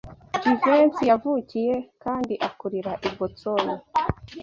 Jivency yavukiye kandi akurira i Boston.